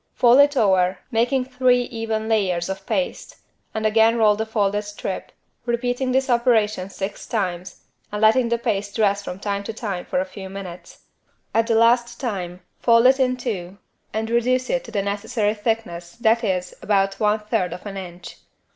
Fold it over, making three even layers of paste, and again roll the folded strip, repeating the operation six times and letting the paste rest from time to time for a few minutes. At the last time, fold it in two and reduce it to the necessary thickness that is, about one third of an inch.